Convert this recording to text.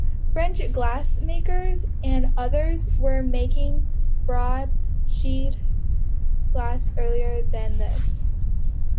French glass-makers and others were making broad sheet glass earlier than this.